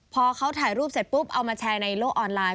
พอเขาถ่ายรูปเสร็จปุ๊บเอามาแชร์ในโลกออนไลน์